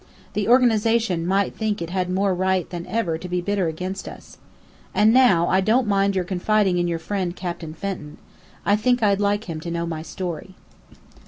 The Organization might think it had more right than ever to be bitter against us. And now, I don't mind your confiding in your friend Captain Fenton. I think I'd like him to know my story."